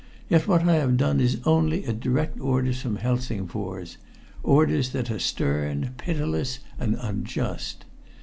Yet what I have done is only at direct orders from Helsingfors orders that are stern, pitiless and unjust.